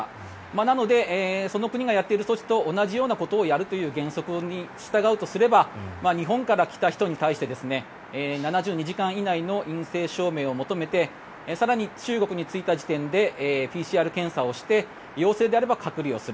なのでその国がやっている措置と同じようなことをやるという原則に従うとすれば日本から来た人に対して７２時間以内の陰性証明を求めて更に、中国に着いた時点でＰＣＲ検査をして陽性であれば隔離をする。